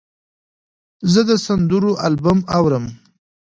زه د سندرو البوم اورم.